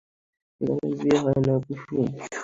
এখানে বিয়ে হয় না, কুসুম।